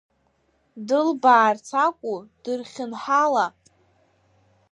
Дылбаарц акәу, дырхьынҳала?